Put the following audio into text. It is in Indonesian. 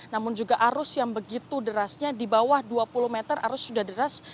namun juga arus yang begitu derasnya di bawah dua puluh meter arus sudah deras